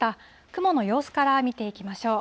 雲の様子から見ていきましょう。